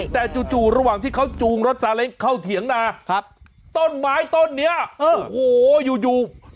แต่จู่ระหว่างที่เขาจูงรถซาเล้งเข้าเถียงนาต้นไม้ต้นนี้โอ้โหอยู่